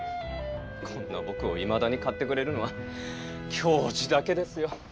こんな僕をいまだに買ってくれるのは教授だけですよ。